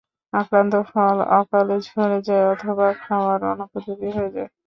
আক্রান্ত ফল অকালে ঝরে যায় অথবা খাওয়ার অনুপযোগী হয়ে পড়ে।